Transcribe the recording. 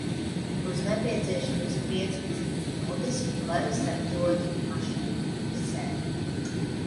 Būs nepieciešamas piecpadsmit minūtes, lai sagatavotu mašīnu, ser.